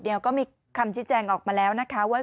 เดี๋ยวก็มีคำชี้แจงออกมาแล้วนะคะว่า